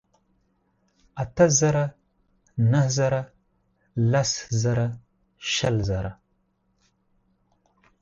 اتۀ زره ، نهه زره لس ژره شل زره